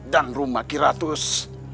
dan rumah kiratus